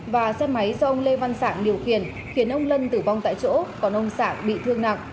và xe máy do ông lê văn sản điều khiển khiến ông lân tử vong tại chỗ còn ông sản bị thương nặng